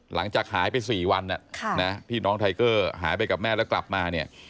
หลังจากหายไป๔วันที่น้องไทเกอร์หายไปกับแม่แล้วกลับมาเนี่ย